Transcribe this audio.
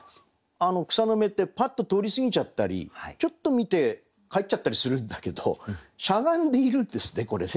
草の芽ってパッと通り過ぎちゃったりちょっと見て帰っちゃったりするんだけどしゃがんでいるんですねこれね。